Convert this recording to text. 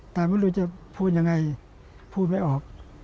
แต่ไม่รู้จะพูดอย่างไรพูดไว้เอก